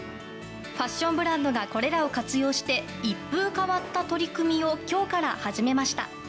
ファッションブランドがこれらを活用して一風変わった取り組みを今日から始めました。